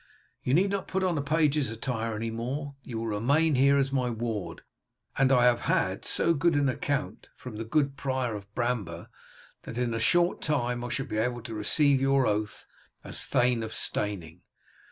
You need not put on a page's attire any more. You will remain here as my ward, and I have had so good an account from the good prior of Bramber that in a short time I shall be able to receive your oath as Thane of Steyning.